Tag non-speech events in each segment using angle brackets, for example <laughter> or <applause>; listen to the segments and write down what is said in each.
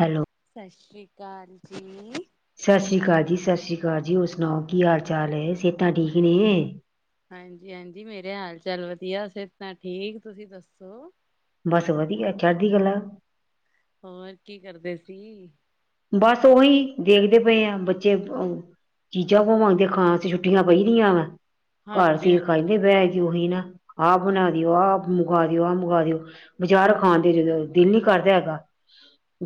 Hello. ਸਾ ਸ਼੍ਰੀ ਕਾਲ ਜੀ। ਸਾਸ਼ੀ ਕਾਲ ਜੀ -ਸਾਸ਼ੀ ਕਾਲ ਜੀ, ਹੋਰ ਸੁਣਾਓ ਕੀ ਹਾਲ ਚਾਲ ਏ, ਸਿਹਤਾਂ ਠੀਕ ਨੇ। ਹਾਂਜੀ-ਹਾਂਜੀ, ਮੇਰੇ ਹਾਲ ਚਾਲ ਵਦੀਆ ਸਿਹਤਾ ਠੀਕ, ਤੁਸੀਂ ਦੱਸੋ। ਬਸ ਵਦੀਆ ਚੜ੍ਹਦੀ ਕਲਾ। ਹੋਰ ਕੀ ਕਰਦੇ ਸੀ। ਬਸ ਉਹੀ ਦੇਖਦੇ ਪਏ ਆ ਬੱਚੇ ਚੀਜ਼ਾਂ ਪਾਵਾਂਦੇ <unintelligible> ਖਾਣ ਸੀ ਛੁੱਟੀਆਂ ਪਈ ਦੀਆਂ ਵ ਘਰ ਹਾਂਜੀ ਚੀਜ਼ ਹਾਂਜੀ। ਖਾਂਦੇ ਬਹਿ ਕੇ ਉਹੀ ਨਾ। ਆਹ ਬਣਾ ਦਿਓ, ਆਹ ਮੰਗਵਾ ਦਿਓ, ਆਹ ਮੰਗਾ ਦਿਓ, ਬਜ਼ਾਰ ਖਾਣ ਤੇ ਜਦੋਂ ਦਿਲ ਨੀ ਕਰਦਾ ਹੈਗਾ।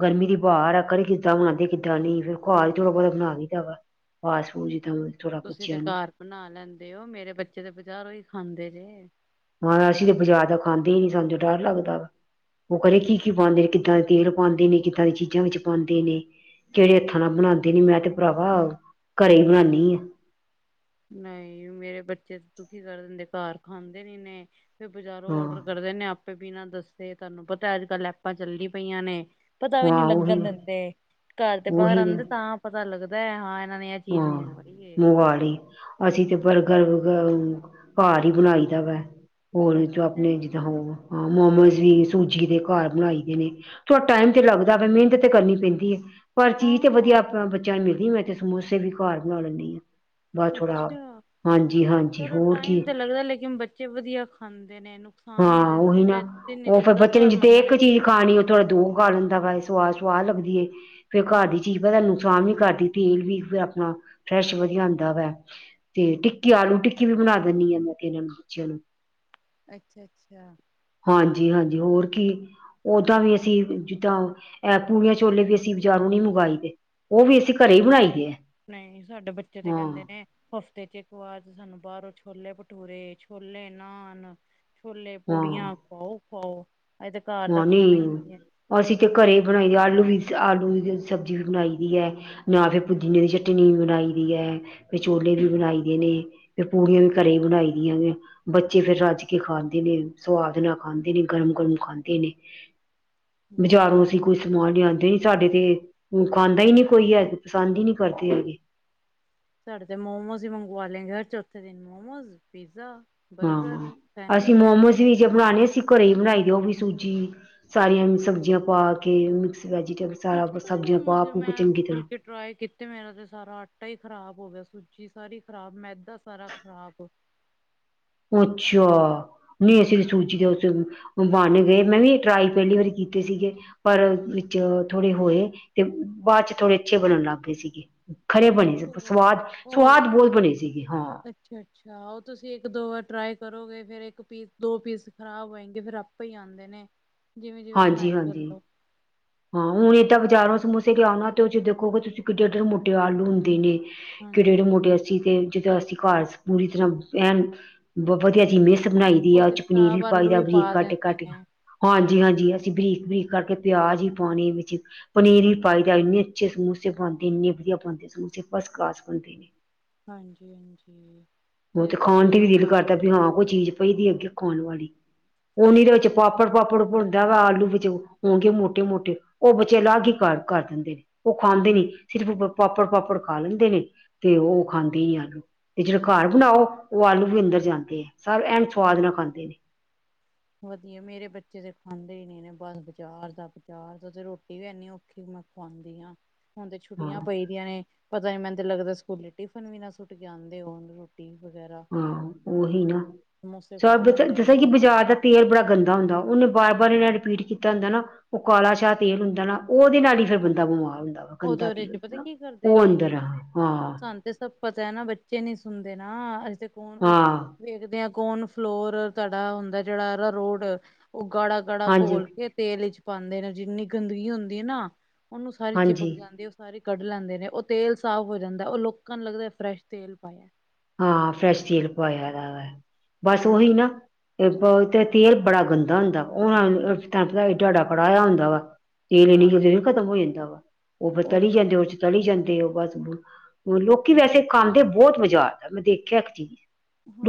ਗਰਮੀ ਦੀ ਹਾਂ, ਬਾਰ ਆ ਕਰੇ ਕੀ ਕਿੱਦਾਂ ਬਣਾਂ <unintelligible> ਕਿੱਦਾਂ ਨਈ ਫੇਰ ਘਰ ਈ ਥੋੜਾ ਬਹੁਤ ਬਣਾ ਦਈ ਦਾ ਵਾ ਫਾਸ ਫੂਡ ਜਿੱਦਾਂ ਥੋੜਾ ਤੁਸੀਂ ਤੇ ਬੱਚਿਆਂ ਨੂੰ ਘਰ ਬਣਾ ਲੈਂਦੇ ਓ ਮੇਰੇ ਬੱਚੇ ਤਾਂ ਬਜ਼ਾਰੋਂ ਈ ਖਾਂਦੇ ਜੇ ਮਾਂ ਅਸੀਂ ਤਾਂ ਬਾਜ਼ਾਰ ਦਾ ਖਾਂਦੇ ਈ ਨੀ ਸਾਨੂੰ ਤੇ ਡਰ ਲੱਗਦਾ ਵਾ। ਉਹ ਕਰੇ ਕੀ -ਕੀ ਪਾਂਦੇ ਨੇ, ਕਿੱਦਾਂ ਦੇ ਤੇਲ ਪਾਂਦੇ ਨੇ, ਕਿੱਦਾਂ ਦੀਆਂ ਚੀਜ਼ਾਂ ਵਿੱਚ ਪਾਂਦੇ ਨੇ ਕੇੜੇ ਹੱਥਾਂ ਨਾਲ ਬਣਾਂਦੇ ਨੇ, ਮੈਂ ਤੇ ਭਰਾਵਾ ਘਰੇ ਈ ਬਣਾਣੀ ਆ। ਨਈ ਮੇਰੇ ਬੱਚੇ ਦੁਖੀ ਕਰ ਦਿੰਦੇ ਘਰ ਖਾਂਦੇ ਨੀ ਨੇ ਫਿਰ ਬਾਜ਼ਾਰੋਂ ਹਾਂ ਓਡਰ ਕਰ ਕਰਦੇ ਨੇ ਆਪੇ ਬਿਨਾਂ ਦੱਸੇ ਤੁਆਨੂੰ ਪਤਾ ਅੱਜ ਕੱਲ ਐਪਾਂ ਚੱਲੀ ਪਈਆਂ ਨੇ। ਪਤਾ ਵੀ ਨੀ ਹਾਂ ਉਹੀ ਲੱਗਣ ਦਿੰਦੇ ਘਰ ਤੇ ਬਾਹਰ ਉਹੀ ਨੇ ਆਂਦੇ ਤਾਂ ਪਤਾ ਲੱਗਦਾ ਐ ਹਾਂ, ਇਹਨਾਂ ਨੇ ਇਹ ਚੀਜ਼ ਮੰਗਵਾਈ ਏ। ਬਾੜੀ ਅਸੀਂ ਤੇ ਬਰਗਰ ਵੁਗਰ ਘਰ ਈ ਬਣਾਈ ਦਾ ਵਾ। ਹੋਰ ਚੋਂ ਆਪਣੇ ਜਿੱਦਾਂ ਹਾਂ ਮੋਮੋਸ ਵੀ ਸੂਜੀ ਦੇ ਘਰ ਬਣਾਈ ਦੇ ਨੇ। ਥੋੜਾ ਟਾਈਮ ਤੇ ਲੱਗਦਾ ਵ ਮਿਹਨਤ ਤੇ ਕਰਨੀ ਪੈਂਦੀ ਏ। ਪਰ ਚੀਜ਼ ਤੇ ਵਦੀਆ ਹਾਂ ਆਪ ਬੱਚਿਆਂ ਨੂੰ ਮਿਲਦੀ ਏ, ਮੈਂ ਤੇ ਸਮੋਸੇ ਵੀ ਘਰ ਬਣਾ ਲੈਂਣੀ ਆਂ। ਅੱਛਾ! ਚਲੋ ਹੋਰ ਟਾਈਮ ਕੀ ਤਾਂ ਲੱਗਦਾ ਲੇਕਿਨ ਬੱਚੇ ਵਦੀਆ ਖਾਂਦੇ ਨੇ ਇਹਨੂੰ ਹਾਂ ਉਹੀ ਨਾ ਉਹ ਫਿਰ ਬੱਚੇ ਨੂੰ ਜਿੱਥੇ ਇੱਕ ਮੰਗਣਾ ਚੀਜ਼ ਤੁਸੀਂ ਖਾਣੀ ਉਹ ਥੋੜਾ ਦੋ <unintelligible> ਦਾ ਵਾ ਸਵਾਦ -ਸਵਾਦ ਲੱਗਦੀ ਏ ਫੇਰ ਘਰ ਦੀ ਚੀਜ਼ ਹਾਂਜੀ ਪਤਾ ਨੂੰ ਨੁਕਸਾਨ ਨੀ ਕਰਦੀ ਤੇਲ ਵੀ ਫੇਰ ਅਪਣਾ ਫਰੈਸ਼ ਵਦੀਆ। ਦਾ ਵਾਂ ਤੇ ਟਿੱਕੀ ਆਲੂ ਟਿੱਕੀ ਵੀ ਬਣਾ ਦਿੰਨੀ ਆ ਮੈਂ ਤੇ ਇਹਨਾਂ ਨੂੰ, ਬੱਚਿਆਂ ਨੂੰ। ਅੱਛਾ-ਅੱਛਾ। ਹਾਂਜੀ-ਹਾਂਜੀ ਹੋਰ ਕੀ ਓਦਾਂ ਵੀ ਅਸੀਂ ਜਿੱਦਾਂ ਪੂੜੀਆਂ ਛੋਲੇ ਵੀ ਅਸੀਂ ਬਜ਼ਾਰੋਂ ਨਈ ਮੰਗਵਾਏ ਦੇ। ਉਹ ਵੀ ਅਸੀਂ ਘਰੇ ਈ ਬਣਾਈ ਦੇ ਐ। ਨਈ ਸਾਡੇ ਬੱਚੇ ਤੇ ਕਹਿੰਦੇ ਨੇ ਹਫਤੇ ਚ ਇੱਕ ਵਾਰ ਤੇ ਸਾਨੂੰ ਬਾਹਰੋਂ ਛੋਲੇ ਭਟੂਰੇ ਛੋਲੇ ਨਾਨ ਛੋਲੇ ਹਾਂ ਪੂੜੀਆਂ ਖਾਓ ਖਾਓ। ਹਾਂ ਨਹੀਂ ਅਸੀਂ ਤੇ ਘਰੇ ਬਣਾਈ ਏ ਆਲੂ ਵੀ ਆਲੂਦੀ ਸਬਜ਼ੀ ਵੀ ਬਣਾਈ ਦੀ ਹੈ। ਨਾ ਫੇਰ ਪੁਦੀਨੇ ਦੀ ਚਟਨੀ ਬਣਾਈ ਦੀ ਐ ਫਿਰ ਛੋਲੇ ਵੀ ਬਣਾਈ ਦੇ ਨੇ। ਤੇ ਪੂੜੀਆਂ ਵੀ ਘਰੇ ਬਣਾਈ ਦੀਆਂ ਜੇ ਬੱਚੇ ਫੇਰ ਰੱਜ ਕੇ ਖਾਂਦੇ ਨੇ, ਸੁਵਾਦ ਨਾਲ ਖਾਂਦੇ ਨੇ, ਗਰਮ-ਗਰਮ ਖਾਂਦ ਦੇਨੇ। ਮੇਰੇ ਬਜ਼ਾਰੋਂ ਬੱਚੇ ਅਸੀਂ ਕੁਈ ਸਮਾਨ ਲਿਯਾਂਦੇ ਨੀ ਸਾਡੇ ਤੇ ਖਾਂਦਾ ਹੁਨ ਖਾਂਦਾਈ ਨੀ ਕੋਈ ਐ ਪਸੰਦ ਈ ਨੀ ਕਰਦੇ ਹੈਗੇ। ਸਾਡੇ ਤੇ ਮੋਮੋਸ ਈ ਮੰਗਵਾ ਲੈਂਗੇ, ਹਰ ਚੌਥੇ ਦਿਨ ਮੋਮੋਸ, ਪੀਜ਼ਾ ਹਾਂ ਬਰਗਰ, ਅਸੀਂ ਸੈਂਨਵਿਚ ਮੋਮੋਸ ਜੇ ਬਣਾਣੇ ਅਸੀਂ ਘਰੇ ਈ ਬਣਾਈ ਦੇ ਓਵੀ ਸੂਜੀ ਸਾਰੀਆਂ ਸਬਜ਼ੀਆਂ ਪਾ ਕੇ, ਮਿਕਸ ਵੈਜੀਟੇਬਲ, ਸਾਰਾ ਅੱਛਾ ਤੁਸੀਂ ਸਬਜ਼ੀਆਂ ਮੋਮੋਸ ਪਾ ਕਿਉਂ ਪੁ ਕੇ ਮੈਂ ਚੰਗੀ ਤਰਾਂ ਬਲਕਿ ਟਰਾਈ ਕੀਤੇ ਮੇਰਾ ਤੇ ਸਾਰਾ ਆਟਾ ਹੀ ਖ਼ਰਾਬ ਹੋ ਗਿਆ ਸੂਜੀ ਸਾਰੀ ਖਰਾਬ ਮੈਦਾ ਸਾਰਾ ਖ਼ਰਾਬ ਅੱਛਾ ਨਹੀਂ ਅਸੀਂ ਸੂਜੀ ਦੇ ਉਸ ਬੰਨ ਗਏ ਮੈਂ ਵੀ ਇਹ ਟਰਾਈ ਪਹਿਲੀ ਵਾਰੀ ਕੀਤੇ ਸੀਗੇ।। ਪਰ ਵਿੱਚ ਥੋੜੇ ਹੋਏ ਤੇ ਬ ਬਾਅਦ ਚ ਥੋੜੇ ਅੱਛੇ ਬਣਨ ਲੱਗ ਗਏ ਸੀਗੇ। ਖਰੇ ਅੱਛਾ ਬਣੇ ਸੀ ਫਿਰ ਸਵਾਦ ਉਹ ਸਵਾਦ ਬਹੁਤ ਬਣੇ ਸੀਗੀ ਹਾਂ। ਅੱਛਾ ਅੱਛਾ ਉਹ ਤੁਸੀਂ ਇੱਕ ਦੋ ਵਾਰ ਟਰਾਈ ਕਰੋਗੇ ਫੇਿਰ ਇੱਕ ਪੀਸ ਦੋ ਪੀਸ ਖ਼ਰਾਬ ਹੋਏਗੇ ਫਿਰ ਆਪ ਪਈ ਆਉਂਦੇ ਨੇ ਜਿਵੇਂ ਜਿਵੇਂ ਹਾਂਜੀ ਬਣਾਈ ਹਾਂਜੀ ਚੱਲੋ। ਹਾਂ ਹੁਣ ਇਹ ਤਾਂ ਬਾਜ਼ਾਰੋਂ ਸਮੋਸੇ ਲਿਆ ਆਉਣਾ ਤੇ, ਉਹ ਚ ਦੇਖੋਗੇ ਤੁਸੀਂ ਕਿੱਡੇ ਕਿੱਡੇ ਮੋਟੇ ਆਲੂ ਹੁੰਦੇ ਨੇ। ਕਿੜੇ ਜਹੜੇ ਹਾਂਜੀ ਮੋਟੇ ਅਸੀਂ ਤੇ ਜਦੋਂ ਅਸੀਂ ਘਰ ਪੂਰੀ ਤਰ੍ਹਾਂ ਐਣ ਵਧੀਆ ਬਣਾਈ ਦੀ ਉਹ ਤੇ ਆਦਚ ਪਨੀਰ ਵੀ ਖ਼ਰਾਬ ਪਾਈ ਆਲੂ ਦਾ ਬਰੀਕ ਪਾ ਕੱਟ ਦਿੰਦੇ ਕੱਟਕੇ। ਨੇ ਹਾਂਜੀ ਹਾਂਜੀ। ਅਸੀਂ, ਬਰੀਕ ਬਰੀਕ ਕਰਕੇ ਪਿਆਜ਼ ਵੀ ਪਾਉਣੇ ਵਿੱਚ ਪਨੀਰ ਵੀ ਪਾਈਦਾ ਏ ਇੰਨੇ ਅੱਛੇ ਸਮੋਸੇ ਬਣਦੇ, ਇੰਨੇ ਵਧੀਆ ਬਣਦੇ, ਸਮੋਸੇ ਫਸਟ ਕਲਾਸ ਬਣਦੇ ਨੇ।। ਹਾਂਜੀ ਹਾਂਜੀ। ਉਹ ਤੁਸੀਂ ਤੇ ਖਾਣ ਦੀ ਵਧੀਆ ਵੀ ਉਹ ਦਿਲ ਪਾ ਕਰਦਾ। ਵੀ ਹਾਂ ਕੋਈ ਚੀਜ਼ ਪਈਦੀ ਅੱਗੇ ਖਾਣ ਵਾਲੀ। ਉਹਓਨੀ ਦੇ ਵਿੱਚ ਪਾਪੜ ਪਾਪੜ ਭੁੰਦਾ ਵਾ ਆਲੂ ਵਿੱਚ ਹੋਗੇ ਮੋਟੇ ਮੋਟੇ <unintelligible> ਉਹ, ਬੱਚੇ ਲਾਗ ਹੀ ਕਰ ਦਿੰਦੇ ਨੇ। ਉਹ ਖਾਂਦੇ ਨੇ, ਸਿਰਫ ਪਾਪੜ ਪਾਪੜ ਖਾ ਲੈਂਦੇ ਨੇ। ਤੇ ਉਹ ਖਾਂਦੇ ਨੀ ਆਲੂ ਤੇ ਜਿਹੜੇ ਘਰ ਬਣਾਓ ਉਹ, ਆਲੂ ਵੀ ਅੰਦਰ ਜਾਂਦੇ ਆ ਸਾਰ ਐਨ ਸਵਾਦ ਨਾਲ ਖਾਂਦੇ ਨੇ। ਵਧੀਆ, ਮੇਰੇ ਬੱਚੇ ਤਾਂ ਖਾਂਦੇ ਹੀ ਨਹੀਂ ਨੇ ਬਸ ਬਜ਼ਾਰ ਦਾ, ਬਾਰ ਦਾ, ਤੇ ਰੋਟੀ ਵੀ ਇਨੀ ਔਖ ਔਖੀ ਮੈਂ ਖਵਾਉਂਦੀ ਹਾਂ <unintelligible> ਹੁਣ ਤੇ ਛੁੱਟੀਆਂ ਹਾਂ ਪਈਦੀਆਂ ਨੇ। ਪਤਾ ਨੀ, ਮੈਨੂੰ ਤੇ ਲੱਗਦਾ ਏ ਸਕੂਲੇ ਟਿਫਨ ਵੀ ਨਾ ਸੁੱਟ ਕੇ ਆਉਂਦੇ ਹੋਣ। ਟੀ ਵਗੈਰਾ। ਹਾਂ ਉਹੀ ਨਾ। ਸਮੋਸੇ ਸਾਫ ਖਾ ਦੱਸਾਂ ਲੈਂਦੇ ਜਿਸਰਾ ਹੋਏਗੇ ਕਿ ਕੰਟੀਨ ਬਾਜ਼ਾਰ ਦਾ ਤੋਂ ਤੇਲ ਬੜਾ ਗੰਦਾ ਹੁੰਦਾਂ, ਉਹਨੇ ਬਾਰ ਬਾਰ ਇਹਨਾਂ ਰਿਪੀਟ ਕੀਤਾ ਹੁੰਦਾਂ ਨਾ। ਉਹ ਕਾਲਾ ਸ਼ਾਹ ਤੇਲ ਹੁੰਦਾਂ ਨਾ, ਉਹਦੇ ਨਾਲ ਫਿਰ ਬੰਦਾਂ ਬਿਮਾਰ ਹੁੰਦਾਂ ਵਾ ਉਹ ਤੇ ਗੰਦਾਂ ਉਹਦੇ ਤੇਲ ਚ ਹੁੰਦਾਂ ਪਤਾ ਨਾ ਕੀ ਕਰਦੇ ਉਹ ਜੇ ਅੰਦਰ ਆ ਹਾਂਅਅਅ ਸਾਨੂੰ ਤੇ ਸਭ ਪਤਾ ਹੈ ਨਾ, ਬੱਚੇ ਨੀ ਸੁਣਦੇ ਨਾ, ਅਸੀ ਤੇ ਕੌਣ ਉਹ ਹਾਂ ਵੇਖਦੇ ਹਾਂ। ਕੌਣ ਫਲੋਰ ਤੜਾ ਹੁੰਦਾਂ ਜਿਹੜਾ ਆਰਾਰੋਡ ਉਹ ਗਾੜਾ ਗਾੜਾ ਹਾਂਜੀ ਘੋਲ ਇਹ ਤੇਲ ਵਿੱਚ ਪਾਉਂਦੇ ਨੇ। ਜਿੰਨੀ ਗੰਦਗੀ ਹੁੰਦੀਂ ਹੈ ਨਾ ਉਹਨੂੰ ਸਾਰੀ ਚਿਪਕ ਹਾਂਜੀ ਜਾਂਦੀਐਂ। ਸਾਰੇ ਕੱਢ ਲੈਂਦੇ ਨੇ। ਉਹ ਤੇਲ ਸਾਫ਼ ਹੋ ਜਾਂਦਾਏ, ਉਹ ਲੋਕਾਂ ਨੂੰ ਲੱਗਦਾ ਏ ਫਰੈਸ਼ ਤੇਲ ਪਾਇਆ ਏ। ਹਾਂ ਫਰੈਸ਼ ਤੇਲ ਪਾਇਆਦਾ ਵਾ, ਬਸ ਉਹੀਂ ਹਾਂ ਨਾ ਉਹ ਤੇ ਤੇਲ ਬੜਾਂ ਗੰਦਾਂ ਹੁੰਦਾਂ ਆ <unintelligible> ਹੁਣ ਤੈਨੂੰ ਪਤਾ ਡਾਡਾ ਕੜਾਹਆ ਹੁੰਦਾ ਵਾ ਤੇਲ ਇੰਨੀ ਜਲਦੀ ਥੋੜੀ ਖਤਮ ਹੋ ਜਾਂਦਾ ਵਾ। ਉਹ ਤਲੀ ਉਹੀ ਹੈ ਜਾਂਦੇ ਆ ਉਹਦੇ ਚ। ਤਲੀ ਜਾਂਦੇ ਉਹ ਬਸ---ਲੋਕੀ ਵੈਸੇ ਖਾਂਦੇ ਬਹੁਤ ਬਜਾਰ ਦਾ, ਮੈਂ ਦੇਖਿਆ ਇੱਕ ਚੀਜ਼।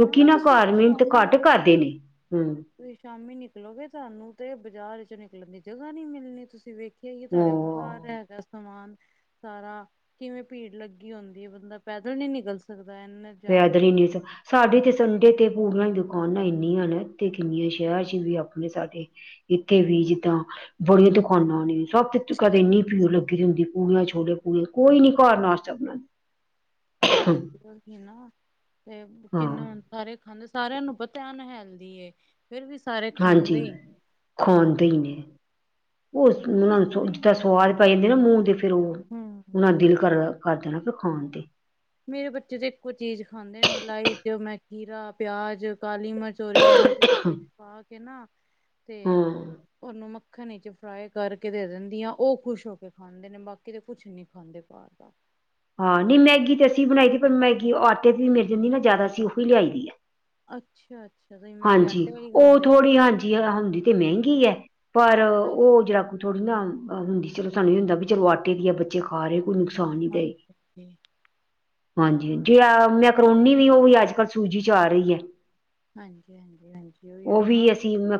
ਲੋਕੀ ਨਾ ਤੁਸੀਂ ਘਾਰ ਮਿਹਨਤ ਘੱਟ ਸ਼ਾਮੀ ਕਰਦੇ ਨੇ ਹਮਅ। ਤੁਸੀਂ ਸ਼ਾਮੀ ਨਿਕਲੋਗੇ ਤੁਹਾਂਨੂੰ ਤੇ ਬਾਜ਼ਾਰ ਚ ਨਿਕਲਣ ਦੀ ਜਗ੍ਹਾ ਨਹੀਂੀ ਮਿਲਣੀ ਤੁਸੀਂ ਵੇਖ ਇੱਥੇ ਆਈਏ ਤੁਹਾਡੇ ਬਾਹਰ ਹਾਂ ਹੈਗਾ <unintelligible> ਸਮਾਨ ਸਾਰਾ ਕਿਵੇਂ ਭੀੜ ਲੱਗੀ ਹੁੰਦੀ ਹੈ ਬੰਦਾ ਪੈਦਲ ਨੀ ਨਿਕਲ ਸਕਦਾ ਇਨੇ ਫ ਅਦਰ ਹੀ ਨਊ <unintelligible> ਸਾਡੇ ਤੇ ਸੰਡੇ ਤੇ ਪੂਲਾਂ ਦੀ ਦੁਕਾਨਾਂ ਇੰਨੀਆਂ ਨੇ ਤੇ ਕਿੰਨੀਆਂ ਸ਼ਹਿਰ ਚ ਵੀ ਆਪਣੇ ਸਾਡੇ ਇੱਥੇ ਵੀ ਹਾਂਜੀ ਜਿੱਦਾਂ ਬੜੀਆਂ ਦੁਕਾਨਾਂ ਨੇ ਸਭ ਤੇ ਕਦੇ ਇੰਨੀ ਪੀੜ ਲੱਗੀ ਰਹੰਦੀ ਪੂੜੀਆਂ ਛੋਲੇ ਪੂੜੀਆਂ ਕੋਈ ਨੀ ਘਰ ਨਾਸ਼ਤਾ ਬਣਾਉਦੀ ਹਾਂਜੀ ਨਾ ਤੇ ਹਾਂ ਕਿੰਨ ਸਾਰੇ ਖਾਂਦੇ ਸਾਰਿਆਂ ਨੂੰ ਪਤਾ ਅਨਹੇਲਦੀ ਏ ਫਿਰ ਵੀ ਸਾਰੇ ਹਾਂਜੀ ਖਾਂਦੇ ਖਾਂਦੇ ਹੀ ਨੇ ਉਹ ਉਹਨਾਂ ਤੁਸੀਂ ਨੂੰ ਨਹੀਂ ਜਿੱਦਾਂ ਸਵਾਦ ਪੈ ਜਾਂਦੇ ਨਾ ਮੂੰਹ ਤੇ ਫਿਰ ਉਹ ਉਹਨਾਂ ਹੂੰ ਦਿਲ ਕਰ ਕਰ ਦੇਣਾ ਫਿਰ ਖਾਣ ਤੇ ਮੇਰੇ ਬੱਚੇ ਤੇ ਇੱਕੋ ਚੀਜ਼ ਖਾਂਦੇ ਨੇ ਮਲਾਈ ਚ ਮੈਂਕੀਰਾ ਪਿਆਜ ਕਾਲੀ ਮਿਰਚ ਚੋਰੀ ਕਹ ਚ ਵਿੱਚ ਪਾ ਕੇ ਨਾ ਤੇ ਹਾਂ ਉਹਨੂੰ ਮੱਖਣ ਚ ਫਰਾਈ ਕਰਕੇ ਦੇ ਦਿੰਦੀ ਹ ਉਹ ਖੁਸ਼ ਹੋ ਕੇ ਖਾਂਦੇ ਨੇ ਬਾਕੀ ਤਾਂ ਕੁਛ ਨਹੀਂ ਖਾਂਦੇ ਪਰ ਦਾ ਹਾਂ ਨਹੀਂ ਮੈਗੀ ਤੇ ਅਸੀਂ ਬਣਾਈ ਦੀ ਪਰ ਮੈਗੀ ਆਟੇ ਤੇ ਵੀ ਮਿਲ ਜਾਂਦੀ ਨਾ ਜ਼ਿਆਦਾ ਅਸੀਂ ਉਹੀ ਲਿਆਈ ਦੀ ਆ ਅੱਛਾ ਅੱਛਾ ਤੁਸੀਂ ਮੱਗੀ ਹਾਂਜੀ ਆਟੇ ਵਾਲੀ ਉਹ ਖਾਂਦੇ ਹੋ ਥੋੜ੍ਹੀ ਹਾਂਜੀ ਹੁੰਦੀ ਤੇ ਮਹਿੰਗੀ ਹੈ ਪਰ ਹਾਂ ਉਹ ਜਿਰਕੁ ਥੋੜੀ ਨਾ ਹੁੰਦੀ ਚਲੋ ਸਾਨੂੰ ਇਹ ਹੁੰਦਾ ਵੀ ਚਲੋ ਆਟੇ ਦੀ ਆ ਬੱਚੇ ਖਾ ਰਹੇ ਕੋਈ ਨੁਕਸਾਨ ਨਹੀਂ ਦੇ <unintelligible> ਹਾਂਜੀ ਜੇ ਮੈਕਰੋਨੀ ਵੀ ਉਹ ਵੀ ਅੱਜ ਕੱਲ੍ਹ ਸੂਜੀ ਚ ਆ ਰਹੀ ਹੈ। ਹਾਂਜੀ -ਹਾਂਜੀ -ਹਾਂਜੀ ਓਹੀਓ ਨਾ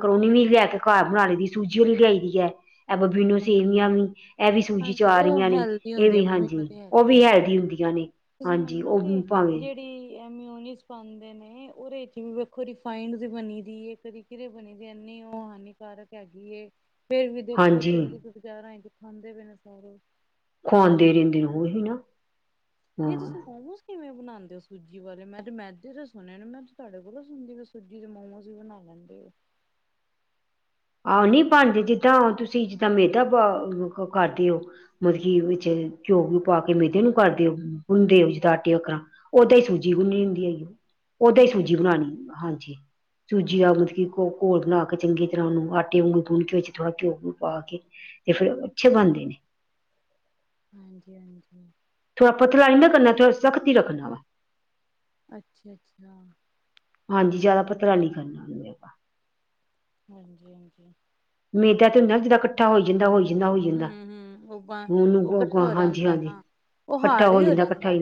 ਕਰੋਨੀ ਵੀ ਲੈ ਕੇ ਘਰ ਬਣਾ ਲਈ ਦੀ ਸੂਜੀ ਵਿ ਲਿਆਈ ਦੀ ਹੈ ਇਹ ਬਬੀਨੋ ਸੇਵੀਆਂ ਵੀ ਇਹ ਵੀ ਸੂਜੀ ਚ ਹਾਂਜੀ ਆ ਉਹ ਰਹੀਆਂ ਨੇ ਹੈਲਦੀ ਇਹ ਹੁੰਦੀ ਆ ਵੀ ਮੈਨੂੰ ਹਾਂਜੀ ਤੇ ਉਹ ਵੀ ਹੈਲਦੀ ਹੁੰਦੀਆਂ ਨੇ ਹਾਂਜੀ ਉਹ ਭਾਵੇਂ ਤੇ ਮਯੋਨਿਸ ਪਾਂਦੇ ਨੇ ਓਦੇ ਚ ਵੀ ਦੇਖੋ ਰੀਫਾਇਨਡ ਦੀ ਬਣੀ ਦੀ ਏ। ਕਿਰੇ ਬਣੀ ਦੇ ਇਨੀ ਉਹ ਹਾਨੀਕਾਰਕ ਹੈਗੀ ਏ। ਫੇਰ ਵੀ ਦੇਖੋ ਹਾਂਜੀ ਚੱਲਦੀ ਪਈ ਏ ਬਾਜ਼ਾਰਾਂ ਚ ਖਾਂਦੇ ਪਏ ਨੇ ਸਾਰੇ। ਖੁਆਉਂਦੇ ਰਹਿੰਦੇ ਨੇ ਉਹੀ ਨਾ। ਨਹੀਂ ਤੁਸੀਂ ਹਾਂ ਮੋਮੋਸ ਕਿਵੇਂ ਬਣਾਉਂਦੇ ਹੋ ਸੂਜੀ ਵਾਲੇ ਮੈਂ ਤੇ ਮੈਦੇ ਤੇ ਸੁਣਣੇ ਨੇ ਮੈਂ ਤੁਹਾਡੇ ਕੋਲੋਂ ਸੁਣਦੀ ਪਈ ਵਾਂ ਸੂਜੀ ਜਿ ਮੋਮੋਸ ਵੀ ਬਣਾ ਲੈਂਦੇ ਹੋ ਆਹ ਨਹੀਂੀ ਬਣਦੇ ਜਿੱਦਾਂ ਤੁਸੀਂ ਜਿੱਦਾਂ ਮੈਦਾ ਕਰਦੇ ਹੋ ਮਤਲਬ ਕੀ ਵਿੱਚ ਘਿਓ ਘਿਓ ਪਾ ਕੇ ਮੇਦੇ ਨੂੰ ਕਰਦੇ ਓ ਗੁਨਦੇ ਹੋ ਜਿੱਦਾਂ ਆਟੇ ਵਗਰਾ। ਉਦਾ ਹੀ ਸੂਜੀ ਗੁੰਨੀ ਹੁੰਦੀ ਹੈਗੀ ਉਹ ਓਦਾਂ ਹੀ ਅੱਛਾ ਸੂਜੀ ਅੱਛਾ ਬਣਾਉਣੀ ਹਾਂਜੀ ਸੂਜੀ ਦਾ ਮਤਲਬ ਕਿ ਘ ਘੋਲ ਬਣਾ ਕੇ ਚੰਗੀ ਫ ਉਹਨੂੰ ਆਟੇ ਵਾਂਗੂੰ ਗੁਣ ਕੇਿ ਵਿੱਚ ਥੋੜਾ ਘਿਓ ਘਿਓ ਪਾ ਕੇ ਤੇ ਫੇਰ ਅੱਛੇ ਬਣਦੇ ਨੇ ਹਾਂਜੀ -ਹਾਂਜੀ ਥੋੜਾ ਪਤਲਾ ਹੀ ਨਹੀਂ ਨਾ ਕਰਨਾ ਥੋੜਾ ਸਖ਼ਤ ਇ ਰੱਖਨਾ ਵਾ। ਅੱਛਾ ਅੱਛਾ ਹਾਂਜੀ ਜ਼ਿਆਦਾ ਪੱਤਲਾ ਨੀ ਕਰਨਾ। ਉਹਨੂੰ ਆਪਾਂ ਹਾਂਜੀ ਹਾਂਜੀ ਮੇਦਾ ਤੇ ਹੁੰ ਨਾ ਜਦਾਂ ਇਕੱਠਾ ਹੋਈ ਜਾਂਦਾ ਹੋਈ ਜਾਂਦਾ ਹੋਈ ਹਮ ਜਾਂਦਾ ਹਮ ਉਹ ਉਹਨੂੰ ਉਹ ਗੋ- ਇਕੱਠਾ ਗੋ- ਹੋ ਹਾਂਜੀ ਜਾਂਦਾ ਹਾਂਜੀ ਨਾ ਉਹ ਹਾਰਡ ਵੀ ਹੋ ਜਾਂਦਾ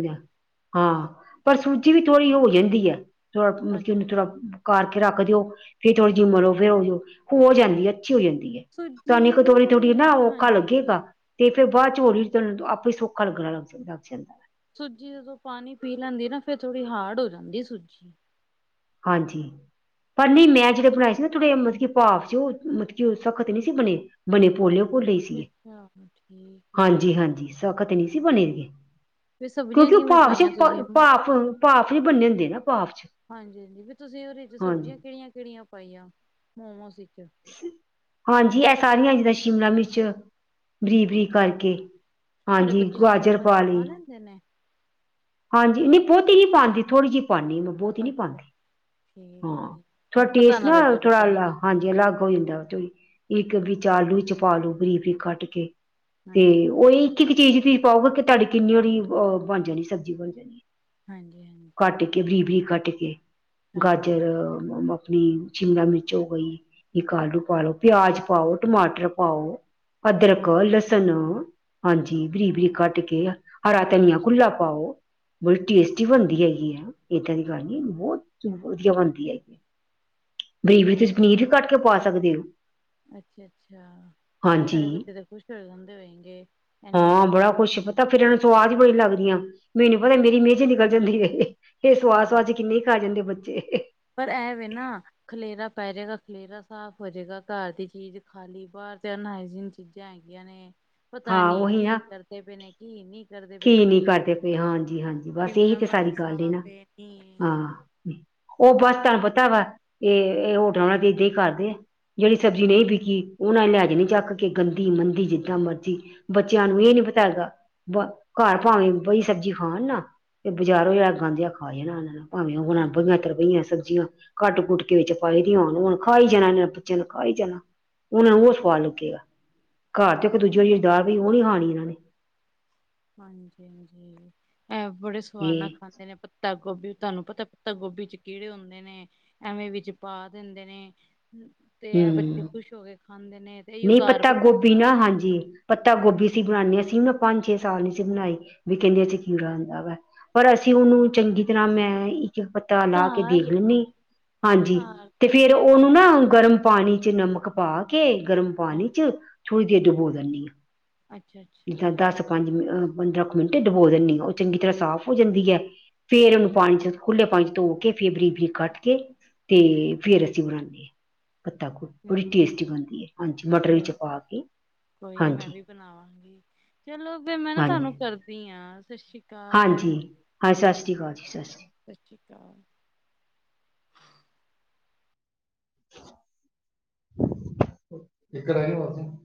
ਹਾਂ ਪਰ ਸੂਜੀ ਵੀ ਥੋੜ੍ਹੀ ਹੋ ਜਾਂਦੀ ਹੈ ਥੋੜਾ ਮਤਲਬ ਕਿ ਅੱਛਾ ਉਹਨੂੰ ਥੋੜਾ ਕਰਕੇ ਰੱਖ ਦਿਓ ਫੇਰ ਥੋੜੀ ਜਿਮਰੋ ਫੇਿਰ ਉਹ ਹੋ ਜਾਂਦੀ ਹੈ ਅੱਛੀ ਹੋ ਜਾਂਦੀ ਹੈ ਸੂਜੀ ਤੁਾਨੂੰ ਵੀ ਇਕ ਨਾ ਥੋੜੀ ਨਾ ਔਖਾ ਹਾਂਜੀ ਹਾਂਜੀ ਲੱਗੇਗਾ ਤੇ ਫੇਿਰ ਬਾਅਦ ਚ ਹੋਈ ਹੌਲੀ ਆਪੇ ਹੀ ਸੌਖਾ ਲੱਗਣਾ ਲੱਗ ਜਾਂਦਾ ਲੱਗ ਜਾਂਦਾ ਸੂਜੀ ਜਦੋਂ ਪਾਣੀ ਪੀ ਲੈਂਦੀ ਨਾ ਫੇਿਰ ਥੋੜੀ ਹਾਰਡ ਹੋ ਜਾਂਦੀ ਸੂਜੀ ਹਾਂਜੀ ਪਰ ਨਹੀਂ ਮੈਂ ਜਿਹੜੇ ਬਣਾਏ ਸੀ ਨਾ ਥੋੜੇ ਮਤਲਬ ਕਿ ਭਾਵ ਸੀ ਉਹ ਮਤਲਬ ਕਿ ਉਹ ਸਖ਼ਤ ਨਹੀਂ ਸੀ ਬਣੇ ਬਣੇ ਪੋਲੇ ਪੀਲੇ ਹੀ ਅੱਛਾ ਸੀ ਅੱਛਾ ਠੀਕ ਏ ਹਾਂਜੀ ਹਾਂਜੀ ਸਖ਼ਤ ਨਹੀਂ ਸੀ ਬਣੇਗੇ ਫਿਰ ਸਬਜ਼ੀਆਂ ਕਿਉਂਕਿ ਉਹ ਕਿਵੇਂ ਭਾਫ ਚ ਪਾਈਆਂ ਤੁਸੀਂ ਭਾਫ ਭਾਫ ਚ ਬੰਨੇ ਹੁੰਦੇ ਨਾ ਭਾਫ ਚ ਹਾਂਜੀ ਹਾਂਜੀ ਵੀ ਤੁਸੀਂ ਉਹਦੇ ਚ ਹਾਂਜੀ ਸਬਜ਼ੀਆਂ ਕਿਹੜੀਆਂ ਕਿਹੜੀਆਂ ਪਾਈਆਂ ਮੋਮੋਸ ਵਿੱਚ ਹਾਂਜੀ ਇਹ ਸਾਰੀਆਂ ਜਿੱਦਾਂ ਸ਼ਿਮਲਾ ਮਿਰਚ ਬਰੀਕ ਬਰੀਕ ਅੱਛਾ ਕਰਕੇ ਤੁਹਾਡੇ ਹਾਂਜੀ ਬੱਚੇ ਸ਼ਿਮਲਾ ਗਾਜਰ ਮਿਰਚ ਪਾ ਲਈ <unintelligible> ਹਾਂਜੀ ਨਹੀਂ ਬਹੁਤੀ ਨੀ ਪਾਉਦੀ ਥੋੜੀ ਜਿਹੀ ਪਾਉਂਦੀ ਉਹਨੂੰ ਬਹੁਤ ਹੀ ਨੀ ਅੱਛਾ ਪਾਉਦੇ ਠੀਕ ਹੈ ਠੀਕ ਹਾਂ ਹੈ। ਥੋੜਾ ਫਿਰ ਪਤਾ ਟੇਸਟ ਨਾ ਲੱਗੇ ਥੋੜਾ ਬੱਚਿਆਂ ਨੂੰ ਹਾਂਜੀ ਅਲੱਗ ਹੋ ਜਾਂਦਾ ਉਹ ਚ ਵੀ ਇੱਕ ਵੀਚ ਆਲੂ ਚ ਪਾਲੋ ਬਾਰੀਕ ਬਾਰੀਕ ਕਟ ਕੇ ਤੇ ਹਾਂਜੀ। ਉਹ ਇੱਕ ਇੱਕ ਚੀਜ਼ ਤੁਂ ਪਾਓਗੇ ਕਿ ਤੁਹਾਡੀ ਕਿੰਨੀ ਹਰੀ ਅਹ ਬਣ ਜਾਣੀ ਸਬਜ਼ੀ ਬਣ ਜਾਣੀ ਹਾਂਜੀ ਹਾਂਜੀ ਕੱਟ ਬਰੀਕ ਬਰੀਕ ਕੱਟ ਕੇ ਗਾਜਰ ਆਪਣੀ ਸ਼ਿਮਲਾ ਮਿਰਚ ਹੋ ਗਈ ਇੱਕ ਆਲੂ ਪਾ ਲਓ ਪਿਆਜ ਪਾਓ ਟਮਾਟਰ ਪਾਓ ਅਦਰਕ, ਹਾਂਜੀ ਲਸਨ ਹਾਂਜੀ ਬਰੀਕ ਬਰੀਕ ਕੱਟ ਕੇ ਹਰਾ ਧਨੀਆ ਖੁੱਲਾ ਪਾਓ ਬੜੀ ਟੇਸਟੀ ਬਣਦੀ ਹੈਗੀ ਆ ਏਦਾਂ ਦੀ ਗੱਲ ਨ ਬਹੁਤ ਵਧੀਆ ਬਣਦੀ ਹੈਗੀ ਆ ਬਰੀਕ ਬਰੀਕ ਤੁਸੀਂ ਪਨੀਰ ਵੀ ਕੱਟ ਕੇ ਪਾ ਸਕਦੇ ਹੋ। ਅੱਛਾ ਅੱਛਾ ਹਾਂਜੀ ਇੰਨੀ ਹਾਂ ਬੜਾ ਵਧੀਆ ਕੁਛ ਪਤਾ ਬਣਾ ਫਿਰ ਇਹਨਾਂ ਨੂੰ ਮੋਮੋਸ। ਸਵਾਦ ਈ ਬੜੀ ਲੱਗਦੀਆਂ ਮੈਨੂੰ ਪਤਾ ਮੇਰੀ ਮਿਹਜ ਈ ਨਿਕਲ ਜਾਂਦੀ ਏ ਸਵਾਦ ਸੁਵਾਦ ਹਾਂ ਚ ਕਿੰਨੇ ਖਾ ਜਾਂਦੇ ਬੱਚੇ ਪਰ ਐਵੇਂ ਨਾ ਖਲੇਰਾ ਪੈ ਜਾਏਗਾ ਖਲੇਰਾ ਸਾਫ਼ ਹੋ ਜਾਏਗਾ ਘਰ ਦੀ ਚੀਜ਼ ਖਾਲੀ ਬਾਹਰ ਤੇ ਅ ਚੀਜ਼ਾਂ ਹੈਗੀਆਂ ਨੇ ਪਤਾ ਹਾਂ ਨੀ ਉਹੀ ਨਾ ਕੀ ਕਰਦੇ ਪਏ ਨੇ ਕੀ ਨਹੀਂ ਕਰਦੇ ਪਏ ਕੀ ਨਹੀਂ ਸਬਜ਼ੀ ਕਰਦੇ ਪਏ ਹਾਂਜੀ ਹਾਂਜੀ ਬਸ ਇਹੀ ਸ਼ਿਮਲਾ ਤੇ ਮਿਰਚ ਸਾਰੀ ਗੱਲ ਨਾ ਸਾਫ਼ ਏ ਨੀ ਹਾਂ ਉਹ ਬਸ ਤੁਹਾਨੂੰ ਪਤਾ ਵਾ ਇਹ ਹੋਟਲਾਂ ਵਾਲਾ ਏਦਾਂ ਹੀ ਕਰਦੇ ਆ ਜਿਹੜੀ ਸਬਜ਼ੀ ਹਾਂ ਨਹੀਂ ਵਿਕੀ ਉਹਨਾਂ ਲੈ ਜਾਨੀ ਹਾਂ ਚੱਕ ਕੇ ਗੰਦੀ ਮੰਦੀ ਜਿੱਦਾਂ ਮਰਜ਼ੀ ਬੱਚਿਆਂ ਨੂੰ ਇਹ ਨੀ ਪਤਾ ਹੇਗਾ ਬ ਘਰ ਭਾਵੇਂ ਬਈ ਸਬਜ਼ੀ ਖਾਣ ਨਾ ਤੇ ਬਾਜ਼ਾਰ ਹਾਂ ਜਾ ਕੇ ਗੰਦ ਜਿਹਾ ਖਾ ਆਣਾ ਓਨਾ ਨੇ ਭਾਵੇਂ ਉਹ ਹੋਣਾ ਹਾਂ ਬਈਆਂ ਤਰਬਈਆਂ ਸਬਜ਼ੀਆਂ ਕੱਟ ਕੁਟ ਕੇ ਵਿੱਚ ਪਾਏ ਦੀ ਹੋਣ ਹੁਣ ਖਾਈ ਜਾਣਾ ਇਹ ਨੇ ਬੱਚਿਆਂ ਨੂੰ ਖਾਾਈ ਜਾਣਾ ਉਹਨਾਂ ਨੂੰ ਉਹ ਹਾਂਜੀ ਸਵਾਦ ਲੱਗੇਗਾ ਘਰ ਤੇ ਦੂਜੇ ਉਹੀ ਨਾ <unintelligible> ਪਈ ਉਹ ਨਹੀਂ ਖਾਣੀ ਇਹਨਾਂ ਨੇ ਹਾਂਜੀ ਹਾਂਜੀ ਇਹ ਬੜੇ ਸਵਾਦ ਨਾਲ ਇਹ ਖਾਂਦੇ ਨੇ ਗੋਭੀ ਤੁਹਾਨੂੰ ਪਤਾ ਪਤਾ ਗੋਭੀ ਚ ਕੀੜੇ ਹੁੰਦੇ ਨੇ ਐਵੇਂ ਵਿੱਚ ਪਾ ਦਿੰਦੇ ਨੇ ਤੇ ਇਹ ਬੱਚੇ ਹੂੰ ਖੁਸ਼ ਹੋ ਕੇ ਖਾਂਦੇ ਨੇ ਤੇ ਇਹੀਓ ਨਹੀਂ ਘਰ ਪੱਤਾ ਗੋਭੀ ਗੋਬੀ ਨਾ ਨੇ ਹਾਂਜੀ ਪੱਤਾ ਗੋਭੀ ਸੀ ਬਣਾਉਂਦੇ ਅਸੀਂ ਨਾ ਪੰਜ ਛੇ ਸਾਲ ਨੀ ਸੀ ਬਣਾਈ ਵੀ ਕਹਿੰਦੇ ਸੀਂ ਕੀ ਕੀੜਾ ਹੁੰਦਾ ਵਾ ਪਰ ਅਸੀਂ ਉਹਨੂੰ ਚੰਗੀ ਤਰ੍ਹਾਂ ਮੈਂ ਇੱਕ ਤਾ ਲਾ ਕੇ ਦੇਖ ਘਰ ਲੈਂਦੀ ਹਾਂਜੀ ਘਰ ਤੇ ਫੇਰ ਵਧੀਆ ਉਹਨੂੰ ਬਣੇ ਨਾ ਗਰਮ ਪਾਣੀ 'ਚ ਨਮਕ ਪਾ ਕੇ ਗਰਮ ਹਾਂ ਪਾਣੀ 'ਚ ਥੜ੍ਹੀ ਜਹਾ ਡਬੋ ਦਦੀ ਹਾਂ ਅੱਛਾ ਅੱਛਾ ਦਸ ਠੀਕ ਪੰਜ ਮ <unintelligible> ਕੁ ਮਿੰਟੇ ਡਬੋ ਦਿੰਦੀ ਉਹ ਚੰਗੀ ਤਰ੍ਹਾਂ ਸਾਫ਼ ਹੋ ਜਾਂਦੀ ਹੈ ਫੇਰ ਠੀਕ ਉਹਨੂੰ ਚ ਖੁੱਲੇ ਪਾ ਧੋ ਕੇ ਫੇਰ ਬਰੀ ਬਰੀਕ ਕੱਟ ਕੇ ਅੱਛਾ ਤੇ ਫੇਰ ਅਸੀਂ ਬਣਾਨਦੇ ਆਂ ਪੱਤਾ ਕੁੜ ਬੜੀ ਟੇਸਟੀ ਬਣਦੀ ਹੈ ਹਾਂਜੀ ਮਟਰ ਵਿਚ ਚਲੋ ਪਾ ਕੇ ਕੋਈ ਨੀ ਮੈਂ ਹਾਂਜੀ ਵੀ ਬਣਾਵਾਂਗੀ ਚਲੋ ਫ ਮੈਂ ਨਾ ਤੁਹਾਨੂੰ ਹਾਂਜੀ ਕਰਦੀ ਹਾਂ ਸਤਿ ਸ਼੍ਰੀ ਅਕਾਲ ਹਾਂਜੀ ਹਾਂ ਸਤਿ ਸ਼੍ਰੀ ਅਕਾਲ ਜੀ ਸਤਿ ਸ਼੍ਰੀ ਅਕਾਲ ਸਤਿ ਸ਼੍ਰੀ ਅਕਾਲ <unintelligible>